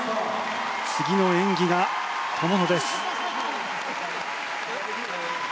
次の演技が友野です。